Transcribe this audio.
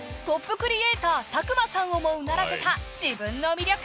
クリエーター佐久間さんをもうならせた自分の魅力